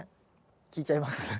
聞いちゃいます？